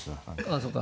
あそうか。